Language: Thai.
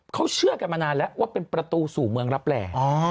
เขาเชื่อกันมานานแล้วว่าเป็นประตูสู่เมืองรับแหล่